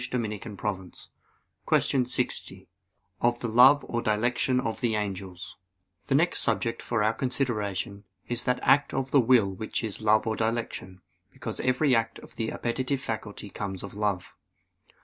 _______________________ QUESTION 60 OF THE LOVE OR DILECTION OF THE ANGELS (In Five Articles) The next subject for our consideration is that act of the will which is love or dilection; because every act of the appetitive faculty comes of love.